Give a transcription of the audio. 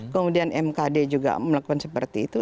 kemudian mkd juga melakukan seperti itu